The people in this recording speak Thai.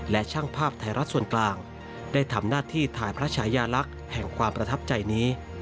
และช่างภาพไทยรัฐส่วนกลางได้ทำหน้าที่ถ่ายพระชายาลักษณ์แห่งความประทับใจนี้